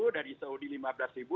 dari saudi rp lima belas